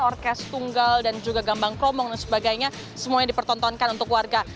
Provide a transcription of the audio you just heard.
orkes tunggal dan juga gambang kromong dan sebagainya semuanya dipertontonkan untuk warga